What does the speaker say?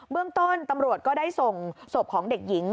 เรื่องต้นตำรวจก็ได้ส่งศพของเด็กหญิง